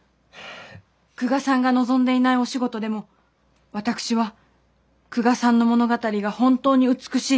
久我さんが望んでいないお仕事でも私は久我さんの物語が本当に美しいと思っていますから。